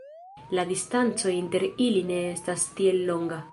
La distanco inter ili ne estas tiel longa.